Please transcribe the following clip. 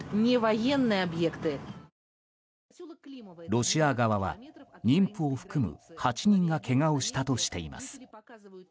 ロシア側は、妊婦を含む８人がけがをしたとしています。